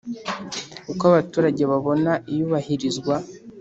Uko abaturage babona iyubahirizwa